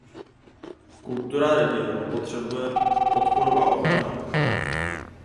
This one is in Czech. Kultura regionů potřebuje podporu a ochranu.